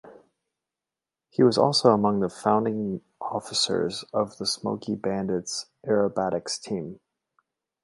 He was also among the founding officers of the "Smokey Bandits" Aerobatics Team.